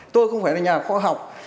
tôi không phải là nhà khoa học